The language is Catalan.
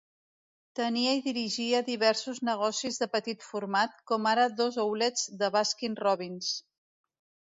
Tenia i dirigia diversos negocis de petit format, com ara dos outlets de Baskin-Robbins.